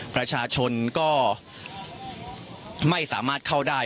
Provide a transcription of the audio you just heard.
ประชาชนก็ไม่สามารถเข้าได้